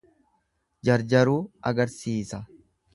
Jarjaruu agarsiisa.